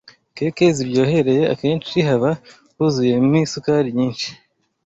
keke ziryohereye akenshi haba huzuyemi isukari nyinshyi